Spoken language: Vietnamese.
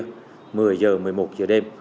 một mươi h một mươi một h đêm